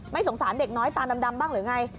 สงสารเด็กน้อยตาดำบ้างหรือไง